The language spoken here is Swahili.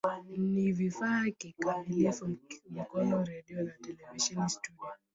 Ni vifaa kikamilifu Mkono redio na televisheni studio.